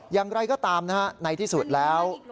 อย่างไรก็ตามนะฮะในที่สุดแล้ว